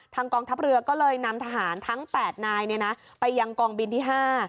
ทางกองทัพเรือก็เลยนำทหารทั้งแปดนายเนี้ยนะไปยังกองบินที่ห้า